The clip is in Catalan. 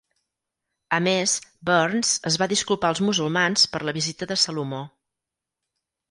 A més, Burns es va disculpar als musulmans per la visita de Salomó.